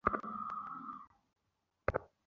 খুব দ্রুতই, আমি একদল সঙ্গী পেয়ে গেলাম।